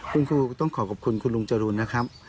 คุณครูก็ต้องขอขอบคุณคุณลุงจรูนนะครับ